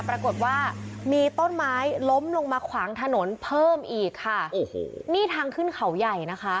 ปรากฏว่ามีต้นไม้ล้มลงมาขวางถนนเพิ่มอีกค่ะโอ้โหนี่ทางขึ้นเขาใหญ่นะคะ